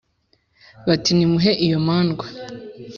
Bati: "Nimuhe iyo mandwa,